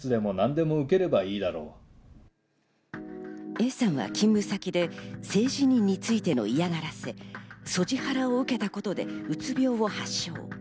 Ａさんは勤務先で性自認についての嫌がらせ、ＳＯＧＩハラを受けたことで、うつ病を発症。